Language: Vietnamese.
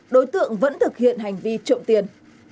đối tượng vẫn thực hiện hành vi trộm tiền